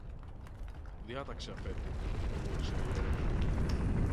Διάταξε, Αφέντη, μουρμούρισε ο γέρος.